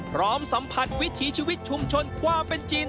พร้อมสัมผัสวิถีชีวิตชุมชนความเป็นจีน